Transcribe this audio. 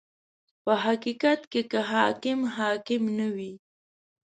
• په حقیقت کې که حاکم حاکم نه وي.